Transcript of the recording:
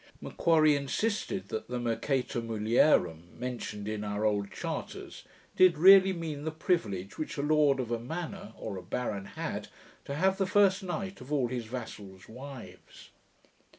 M'Quarrie insisted that the mercheta mulierum, mentioned in our old charters, did really mean the privilege which a lord of a manor, or a baron, had, to have the first night of all his vassals' wives.